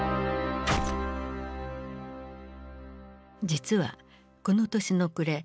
実はこの年の暮れ